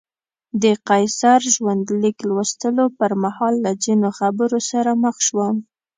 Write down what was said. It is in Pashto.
د قیصر ژوندلیک لوستلو پر مهال له ځینو خبرو سره مخ شوم.